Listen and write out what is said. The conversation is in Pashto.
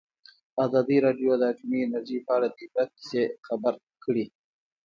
ازادي راډیو د اټومي انرژي په اړه د عبرت کیسې خبر کړي.